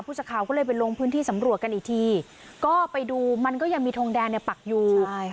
สักข่าวก็เลยไปลงพื้นที่สำรวจกันอีกทีก็ไปดูมันก็ยังมีทงแดนเนี่ยปักอยู่ใช่ค่ะ